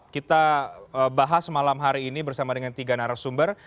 kita bahas malam hari ini bersama dengan tiga narasumber